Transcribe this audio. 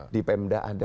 di pemda ada